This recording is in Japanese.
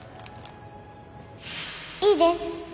いいです。